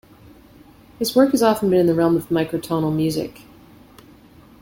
His work has often been in the realm of microtonal music.